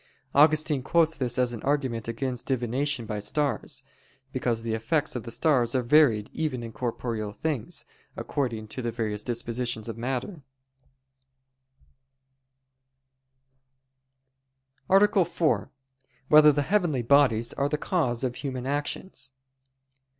Augustine quotes this as an argument against divination by stars: because the effects of the stars are varied even in corporeal things, according to the various dispositions of matter. _______________________ FOURTH ARTICLE [I, Q. 115, Art. 4] Whether the Heavenly Bodies Are the Cause of Human Actions?